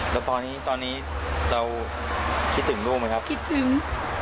แล้วตอนนี้ตอนนี้เราคิดถึงลูกไหมครับคิดถึง